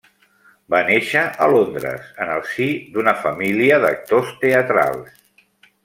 Va néixer a Londres en el si d’una família d’actors teatrals.